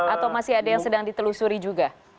atau masih ada yang sedang ditelusuri juga